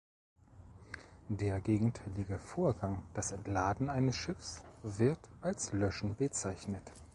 Der gegenteilige Vorgang, das Entladen eines Schiffs, wird als Löschen bezeichnet.